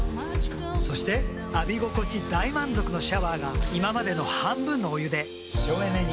そして浴び心地大満足のシャワーが今までの半分のお湯で省エネに。